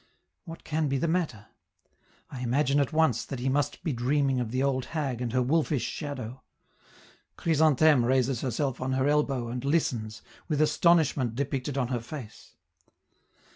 What can be the matter? I imagine at once that he must be dreaming of the old hag and her wolfish shadow. Chrysantheme raises herself on her elbow and listens, with astonishment depicted on her face.